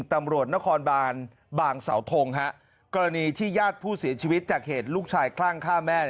ตำรวจนครบานบางเสาทงกรณีที่ญาติผู้เสียชีวิตจากเหตุลูกชายคลั่งฆ่าแม่